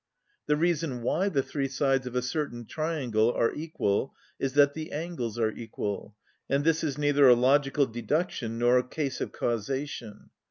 The reason why the three sides of a certain triangle are equal is that the angles are equal, and this is neither a logical deduction nor a case of causation.